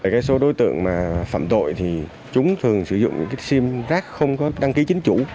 cái số đối tượng phạm đội thì chúng thường sử dụng sim rác không có đăng ký chính chủ